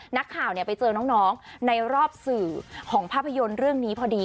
นักข่าวไปเจอน้องในรอบสื่อของภาพยนตร์เรื่องนี้พอดี